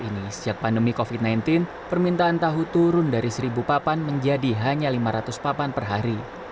ini setelah demi kofi sembilan belas permintaan tahu turun dari seribu papan menjadi hanya lima ratus papan perhari